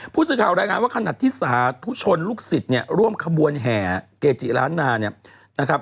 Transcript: พูดสิทธิ์ข่าวรายงานว่าขณะที่สาธุชนลูกศิษฐ์ร่วมขบวนแห่เกจิราณา